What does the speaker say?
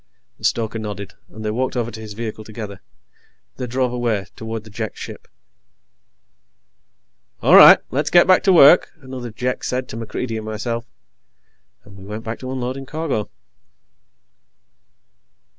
The stoker nodded, and they walked over to his vehicle together. They drove away, toward the Jek ship. "All right, let's get back to work," another Jek said to MacReidie and myself, and we went back to unloading cargo.